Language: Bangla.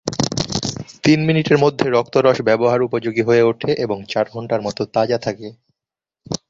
তিন মিনিটের মধ্যে রক্তরস ব্যবহার উপযোগী হয়ে ওঠে এবং চার ঘণ্টার মত তাজা থাকে।